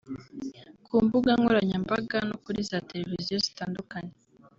ku mbuga nkoranyambaga no kuri za televiziyo zitandukanye